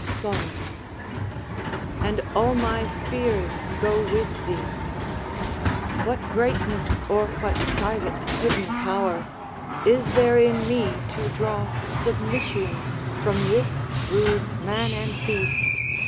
Clorin And all my fears go with thee. What greatness, or what private hidden power, Is there in me to draw submission From this rude man and beast?